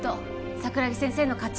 桜木先生の勝ち